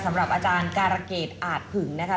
สำหรับอาจารย์การเกษอาจผึงนะคะ